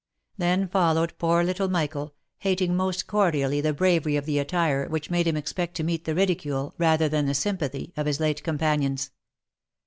Then followed poor little Michael, hating most cordially the bravery of the attire, which made him expect to meet the ridicule, rather than the sympathy, of his late companions.